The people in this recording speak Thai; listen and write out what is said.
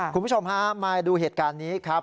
คุณผู้ชมฮะมาดูเหตุการณ์นี้ครับ